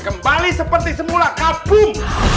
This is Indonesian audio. kembali seperti semula kabum